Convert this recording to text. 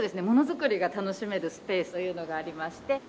ものづくりが楽しめるスペースというのがありまして。